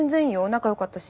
仲良かったし。